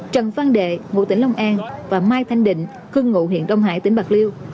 trần văn đệ ngụ tỉnh long an và mai thanh định cư ngụ huyện đông hải tỉnh bạc liêu